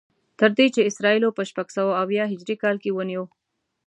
تر دې چې اسرائیلو په شپږسوه او اویا هجري کال کې ونیو.